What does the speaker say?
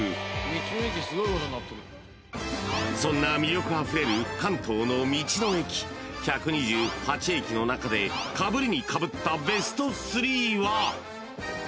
［そんな魅力あふれる関東の道の駅１２８駅の中でかぶりにかぶったベスト３は］